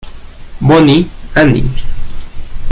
Boni, Hani".